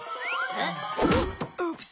あっ！